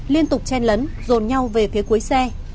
liên tục chen lấn rồn nhau về phía cuối xe